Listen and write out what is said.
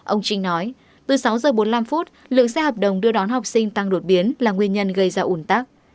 ông trinh nói từ sáu giờ bốn mươi năm lượng xe hợp đồng đưa đón học sinh tăng đột biến là nguyên nhân gây ra ủn tắc